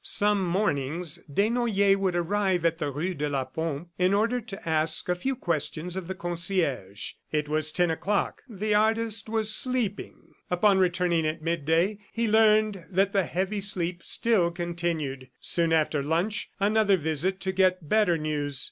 ... Some mornings, Desnoyers would arrive at the rue de la Pompe in order to ask a few questions of the concierge. It was ten o'clock; the artist was sleeping. Upon returning at midday, he learned that the heavy sleep still continued. Soon after lunch, another visit to get better news.